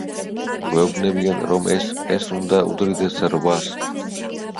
გვეუბნებიან, რომ ეს, ეს უნდა უდრიდეს რვას.